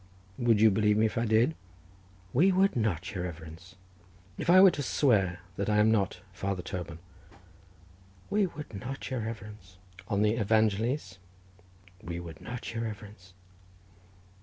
"Would you believe me if I did?" "We would not, your reverence." "If I were to swear that I am not Father Toban?" "We would not, your reverence." "On the evangiles?" "We would not, your reverence."